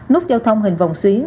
nút giao thông hình vòng xuyến